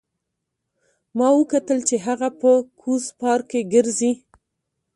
ما وکتل چې هغه په کوز پارک کې ګرځي